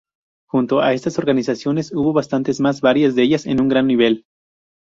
Junto a estas organizaciones hubo bastantes más, varias de ellas de un gran nivel.